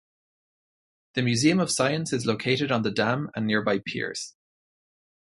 The Museum of Science is located on the dam and nearby piers.